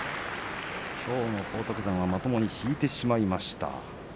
きょうの荒篤山はまともに引いてしまいました。